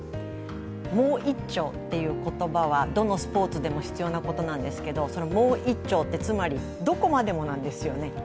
もう一超という言葉は、どのスポーツでも必要なことなんですけど、もう一超というのは、つまりどこまでもなんですよね。